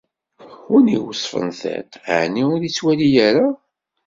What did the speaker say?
Win iweṣṣfen tiṭ, ɛni ur ittwali ara?